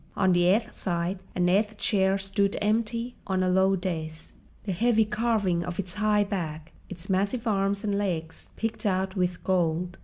On the eighth side an eighth chair stood empty on a low dais, the heavy carving of its high back, its massive arms and legs, picked out with gold.